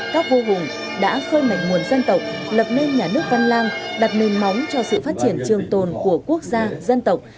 các vua hùng đã khơi mạnh nguồn dân tộc lập nên nhà nước văn lang đặt nền móng cho sự phát triển trường tồn của quốc gia dân tộc